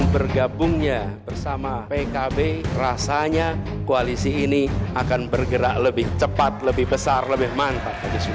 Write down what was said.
bergabungnya bersama pkb rasanya koalisi ini akan bergerak lebih cepat lebih besar lebih mantap